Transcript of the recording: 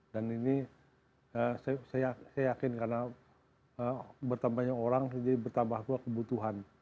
dan ini saya yakin karena bertambah banyak orang jadi bertambah pula kebutuhan